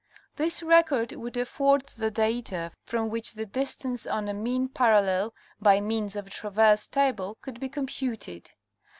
This record would afford the data from which the distance on a mean parallel, by means of a traverse table, could be computed.